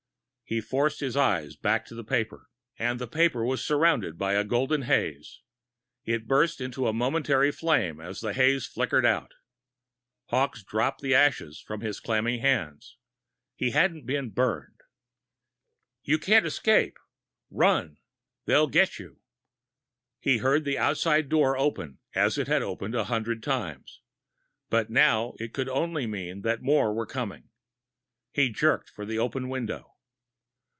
He forced his eyes back to the paper. And the paper was surrounded by a golden haze. It burst into a momentary flame as the haze flickered out. Hawkes dropped the ashes from his clammy hands. He hadn't been burned! You can't escape. Run. They'll get you! He heard the outside door open, as it had opened a hundred times. But now it could only mean that more were coming. He jerked for the open window.